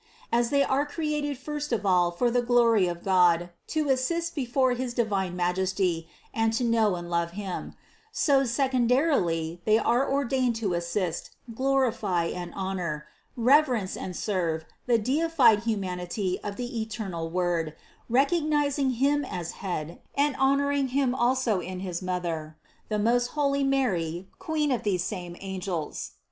As they are created first of all for the glory of God, to assist before his divine Majesty and to know and love Him, so secondarily they are ordained to assist, glorify and honor, reverence and serve the deified humanity of the eternal Word, recognizing Him as Head, and honoring Him also in his Mother, the most holy Mary, Queen of these same angels.